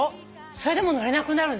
それでもう乗れなくなるのよ。